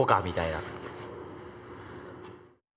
みたいな。